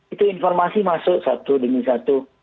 itu informasi masuk satu demi satu